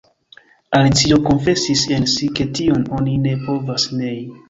Alicio konfesis en si ke tion oni ne povas nei.